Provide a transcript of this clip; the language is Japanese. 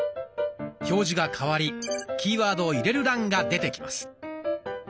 表示が変わりキーワードを入れる欄が出てきます。